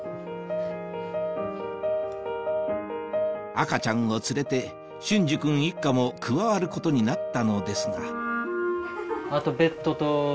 赤ちゃんを連れて隼司君一家も加わることになったのですがあと。